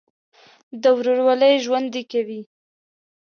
د ورورولۍ ژوند دې کوي.